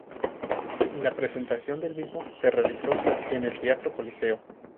La presentación del mismo se realizó en el teatro "Coliseo".